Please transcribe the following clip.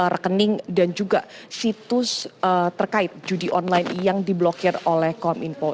seribu tiga ratus tiga puluh tiga rekening dan juga situs terkait judi online yang diblokir oleh kom info